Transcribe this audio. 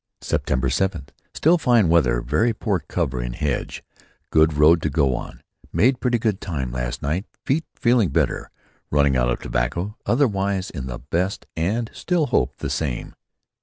"September seventh: Still fine weather. Very poor cover in a hedge. Good road to go on. Made pretty good time last night. Feet feeling better. Running out of tobacco. Otherwise in the best and still hope the same.